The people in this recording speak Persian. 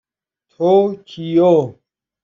توکیو